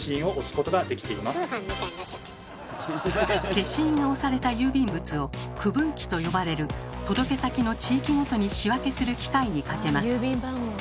消印が押された郵便物を「区分機」と呼ばれる届け先の地域ごとに仕分けする機械にかけます。